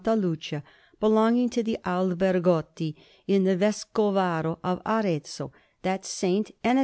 Lucia, belonging to the Albergotti, in the Vescovado of Arezzo, that Saint and a S.